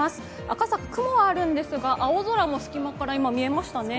赤坂、雲はあるんですが青空も今、隙間から見えましたね。